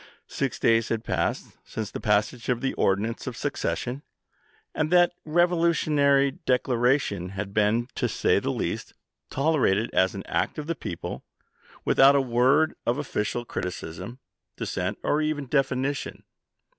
Six days had elapsed since the passage of the ordinance of secession, and that revolutionary declaration had been, to say the least, tolerated as an act of the people, without a word of official criticism, dissent, or even defini tion.